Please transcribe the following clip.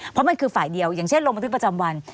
เพราะมันคือฝ่ายเดียวอย่างเช่นลงบันทึกประจำวัน